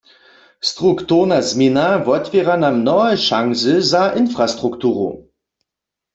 Strukturna změna wotwěra nam mnohe šansy za infrastrukturu.